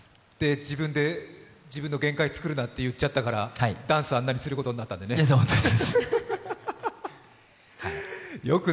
自分で自分の限界作るなって言っちゃったからダンス、あんなにすることになったんだよね。